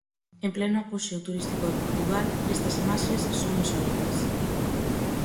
En pleno apoxeo turístico de Portugal, estas imaxes son insólitas.